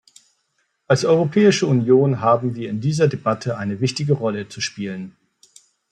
Als Europäische Union haben wir in dieser Debatte eine wichtige Rolle zu spielen.